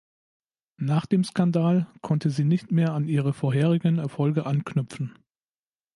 Nach dem Skandal konnte sie nicht mehr an ihre vorherigen Erfolge anknüpfen.